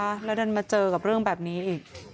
แล้วดันมาเจอกับเรื่องแบบนี้อีก